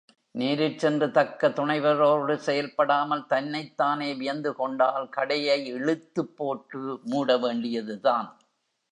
நேரிற் சென்று தக்க துணைவரோடு செயல்படாமல் தன்னைத் தானே வியந்துகொண்டால் கடையை இழுத்துப் போட்டு மூட வேண்டியதுதான்.